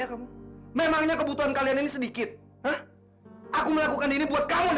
kamu memangnya kebutuhan kalian ini sedikit aku melakukan ini buat kamu dan anakmu tapi masih